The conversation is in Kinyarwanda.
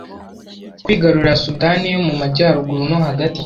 kwigarurira Sudani yo mu majyaruguru no hagati